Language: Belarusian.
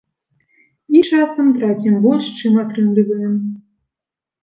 І часам трацім больш, чым атрымліваем.